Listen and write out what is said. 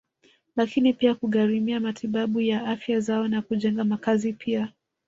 Lakini pia kugharimia matibabu ya afya zao na kujenga makazi pia